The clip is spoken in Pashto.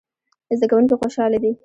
زده کوونکي خوشحاله دي